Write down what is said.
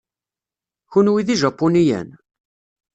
Kenwi d Ijapuniyen?